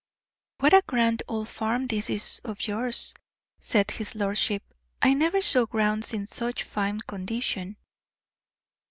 "What a grand old farm this is of yours," said his lordship. "I never saw grounds in such fine condition."